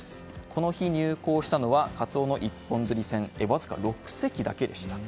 この日、入港したのはカツオの一本釣り船わずか６隻だけでした。